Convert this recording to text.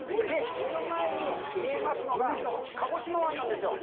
目の前に見えますのが鹿児島湾なんですよ。